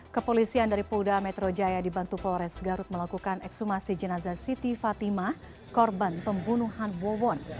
kepolisian dari polda metro jaya dibantu polres garut melakukan ekshumasi jenazah siti fatimah korban pembunuhan wawon